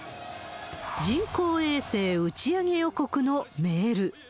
人工衛星打ち上げ予告のメール。